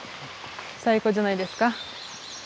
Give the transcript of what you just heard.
最高じゃないですか。